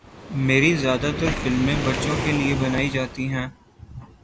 میری زیادہ تر فلمیں بچوں کیلئے بنائی جاتی ہیں